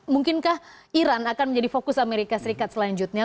mungkinkah iran akan menjadi fokus amerika serikat selanjutnya